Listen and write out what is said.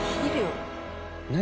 何？